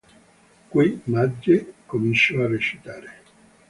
Qui, Madge cominciò a recitare.